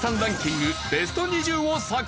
ベスト２０を作成。